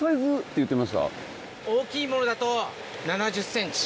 大きいものだと７０ｃｍ。